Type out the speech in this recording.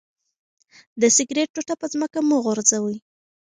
د سګرټ ټوټه په ځمکه مه غورځوئ.